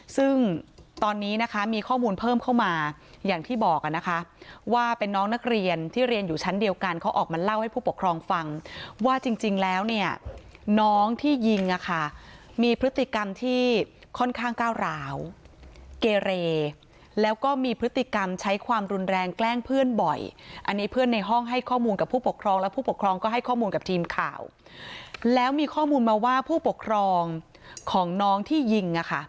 ซึ่งตอนนี้นะคะมีข้อมูลเพิ่มเข้ามาอย่างที่บอกอ่ะนะคะว่าเป็นน้องนักเรียนที่เรียนอยู่ชั้นเดียวกันเขาออกมาเล่าให้ผู้ปกครองฟังว่าจริงแล้วเนี่ยน้องที่ยิงอ่ะค่ะมีพฤติกรรมที่ค่อนข้างก้าวหลาวเกเรแล้วก็มีพฤติกรรมใช้ความรุนแรงแกล้งเพื่อนบ่อยอันนี้เพื่อนในห้องให้ข้อมูลกับผู้ปกครองและผู้ปกครอง